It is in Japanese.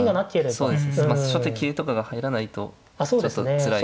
そうですね初手桂とかが入らないとちょっとつらい。